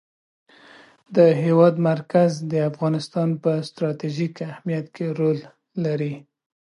د هېواد مرکز د افغانستان په ستراتیژیک اهمیت کې رول لري.